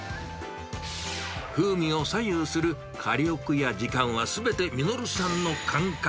風味を左右する火力や時間はすべて實さんの感覚。